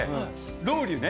ロウリュね？